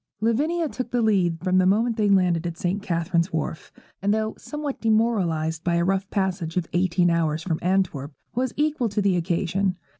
Lavinia took the lead from the moment they landed at St. Catherine's Warf; and though somewhat demoralized by a rough passage of eighteen hours from Antwerp, was equal to the occasion.